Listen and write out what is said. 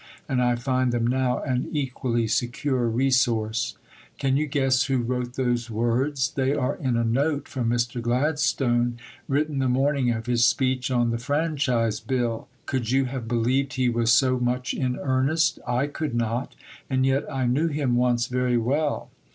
And I find them now an equally secure resource." Can you guess who wrote those words? They are in a note from Mr. Gladstone written the morning of his speech on the Franchise Bill. Could you have believed he was so much in earnest? I could not. And yet I knew him once very well.